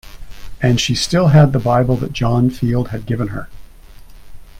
And she still had the Bible that John Field had given her.